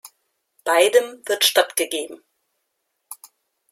Beidem wird stattgegeben.